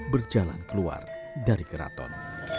berjalan keluar dari keraton